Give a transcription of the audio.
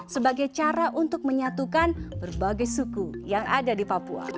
sebagai cara untuk menyatukan berbagai suku yang ada di papua